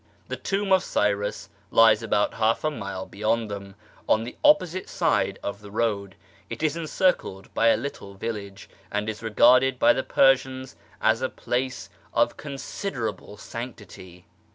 The Tomb of Cyrus lies about half a mile beyond them, on the opposite side of the road : it is encircled by a little village, and is regarded by the Persians as a place of considerable sanctity.